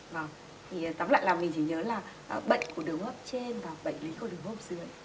vâng thì tóm lại là mình chỉ nhớ là bệnh của đường hô hấp trên và bệnh lý của đường hô hấp dưới